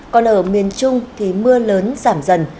còn ở miền trung thì mưa lớn giảm dần